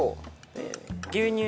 牛乳。